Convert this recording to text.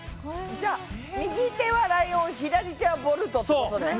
じゃあ右手はライオン左手はボルトってことね。